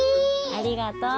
ありがとう。